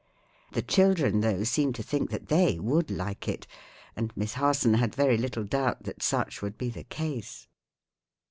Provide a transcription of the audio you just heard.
The children, though, seemed to think that they would like it, and Miss Harson had very little doubt that such would be the case.